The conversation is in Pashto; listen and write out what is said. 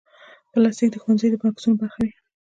پلاستيک د ښوونځي د بکسونو برخه وي.